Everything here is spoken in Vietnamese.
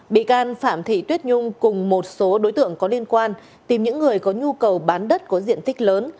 bị can phạm thị tuyết nhung cùng một số đối tượng có liên quan tìm những người có nhu cầu bán đất có diện tích lớn